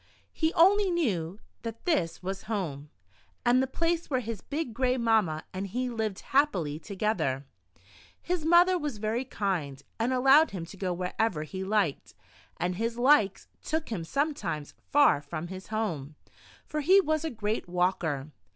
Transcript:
He only knew that this was home, and the place where his big gray mamma and he lived happily to gether. His mother was very kind and allowed him to go wherever he liked, and his " likes " took him sometimes far from his home, for he was a great walker.